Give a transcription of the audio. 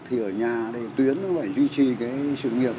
thì ở nhà thì tuyến nó phải duy trì cái sự nghiệp